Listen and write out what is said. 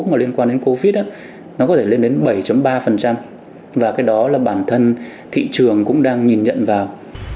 mà liên quan đến covid nó có thể lên đến bảy ba và cái đó là bản thân thị trường cũng đang nhìn nhận vào